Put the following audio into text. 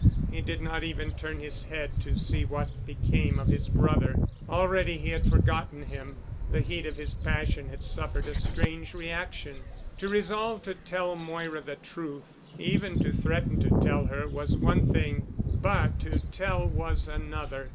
He did not even turn his head to see what became of his brother. Already he had forgotten him. The heat of his passion had suffered a strange reaction. To resolve to tell Moira the truth, even to threaten to tell her was one thing, but to tell was another.